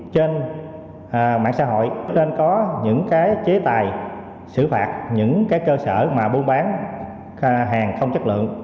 trên mạng xã hội nên có những chế tài xử phạt những cái cơ sở mà buôn bán hàng không chất lượng